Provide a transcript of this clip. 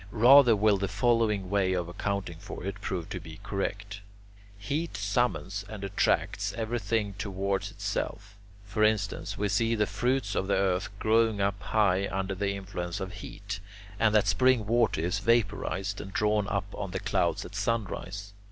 Rather will the following way of accounting for it prove to be correct. Heat summons and attracts everything towards itself; for instance, we see the fruits of the earth growing up high under the influence of heat, and that spring water is vapourised and drawn up to the clouds at sunrise.